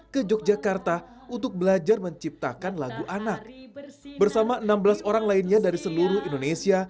ke yogyakarta untuk belajar menciptakan lagu anak bersama enam belas orang lainnya dari seluruh indonesia